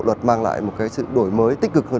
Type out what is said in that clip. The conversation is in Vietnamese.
luật mang lại một cái sự đổi mới tích cực hơn